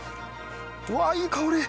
うわっいい香り！